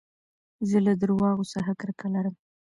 زه له درواغو څخه کرکه لرم.